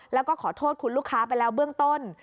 แล้วก็ขอโทษคุณลูกค้าไปแล้วเบื้องต้น